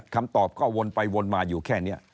คำตอบก็วนไปวนมาอยู่แค่นี้